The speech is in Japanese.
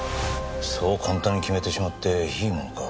そう簡単に決めてしまっていいものか。